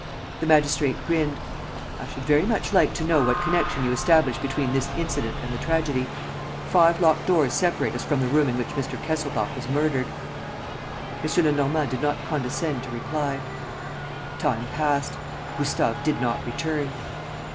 The magistrate grinned: "I should very much like to know what connection you establish between this incident and the tragedy. Five locked doors separate us from the room in which Mr. Kesselbach was murdered." M. Lenormand did not condescend to reply. Time passed. Gustave did not return.